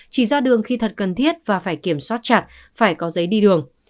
chỉ ra đường khi thật cần thiết và phải kiểm soát chặt phải có giấy đi đường